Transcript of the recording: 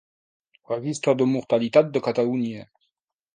Registre de mortalitat de Catalunya.